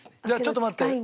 じゃあちょっと待って。